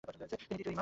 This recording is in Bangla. তিনি দ্বিতীয় ইমাম।